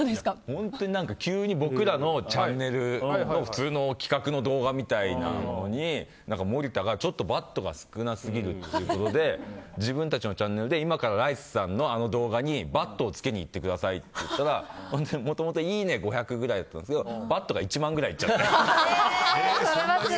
本当に急に僕らのチャンネル普通の企画の動画みたいなのに森田が、ちょっとバッドが少なすぎるということで自分たちのチャンネルで今からライスさんの動画にバッドを付けにいってくださいって言ったらもともと、いいねが５００ぐらいだったんですけどバッドが１万くらいいっちゃって。